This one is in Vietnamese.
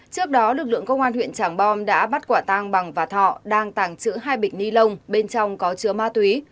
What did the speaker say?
trước đó lực lượng công an huyện trảng bom đã bắt quả tăng bằng và thọ đang tàng trữ hai bịch ni lông bên trong có chứa ma túy